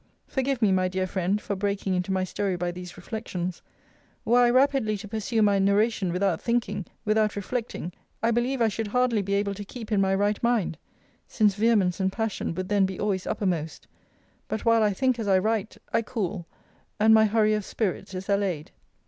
Forgive me, my dear friend, for breaking into my story by these reflections. Were I rapidly to pursue my narration, without thinking, without reflecting, I believe I should hardly be able to keep in my right mind: since vehemence and passion would then be always uppermost; but while I think as I write, I cool, and my hurry of spirits is allayed.